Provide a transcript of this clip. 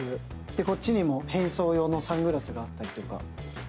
こっちにも変装用のサングラスがあったりとか。